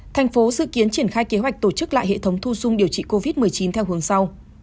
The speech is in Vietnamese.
thành phố dự kiến triển khai kế hoạch tổ chức lại hệ thống thu dung điều trị covid một mươi chín theo hướng sau